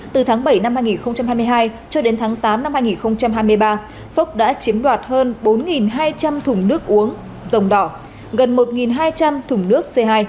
từ tháng bảy năm hai nghìn hai mươi hai cho đến tháng tám năm hai nghìn hai mươi ba phúc đã chiếm đoạt hơn bốn hai trăm linh thùng nước uống dòng đỏ gần một hai trăm linh thùng nước c hai